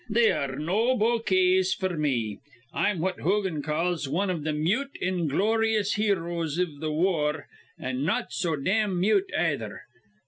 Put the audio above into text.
They ar re no bokays f'r me. I'm what Hogan calls wan iv th' mute, ingloryous heroes iv th' war; an' not so dam mute, ayther.